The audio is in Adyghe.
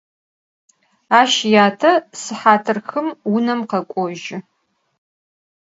Aş yate sıhat xım vunem khek'ojı.